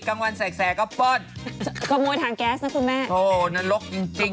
กลางวันแสกแสกก็ป้อนขโมยถังแก๊สนะคุณแม่โอ้นรกจริงจริง